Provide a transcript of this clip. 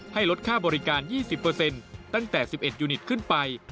ให้ลดค่าบริการ๒๐ตั้งแต่๑๑ยูนิตขึ้นไป